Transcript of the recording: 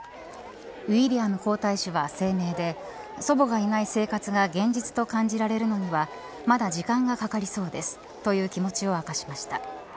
ウィリアム皇太子は声明で祖母がいない生活が現実と感じられるのにはまだ時間がかりそうです、との気持ちを明かしました。